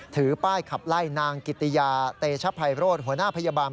ถือป้ายขับไล่นางกิติยาเตชภัยโรธหัวหน้าพยาบาล